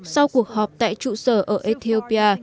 sau cuộc họp tại trụ sở ở ethiopia